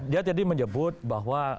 dia tadi menyebut bahwa